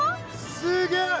すげえ！